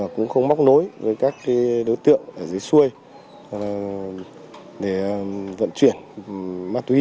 cũng không móc nối với các đối tượng ở dưới xuôi hoặc để vận chuyển ma túy